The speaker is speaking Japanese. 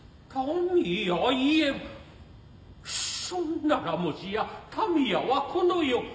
そんならもしや民谷はこの世。